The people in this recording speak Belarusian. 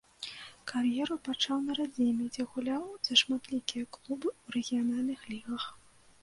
Кар'еру пачаў на радзіме, дзе гуляў за шматлікія клубы ў рэгіянальных лігах.